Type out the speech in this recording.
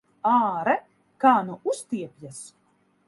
Āre, kā nu uztiepjas!